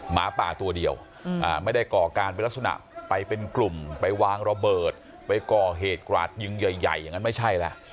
หมาป่าตัวเดียวไม่ได้ก่อการเป็นลักษณะไปเป็นกลุ่มไปวางระเบิดไปก่อเหตุกราดยิงใหญ่อย่างนั้นไม่ใช่แล้ว